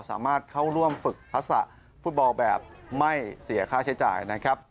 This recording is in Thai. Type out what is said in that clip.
สามารถเข้าร่วมฝึกทักษะฟุตบอลแบบไม่เสียค่าใช้จ่ายนะครับ